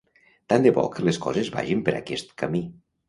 Tant de bo que les coses vagin per aquest camí.